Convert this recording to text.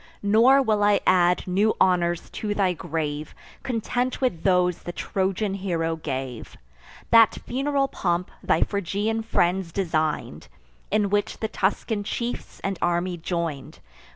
Nor will I add new honours to thy grave, Content with those the Trojan hero gave: That funeral pomp thy Phrygian friends design'd, In which the Tuscan chiefs and army join'd.